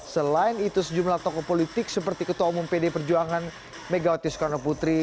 selain itu sejumlah tokoh politik seperti ketua umum pd perjuangan megawati soekarno putri